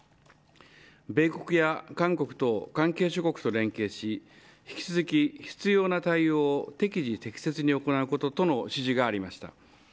米国や韓国等、関係諸国と連携し引き続き、必要な対応を適時適切に行うこととの指示がありました。